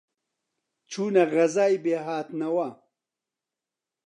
چوونە غەزای بێهاتنەوە،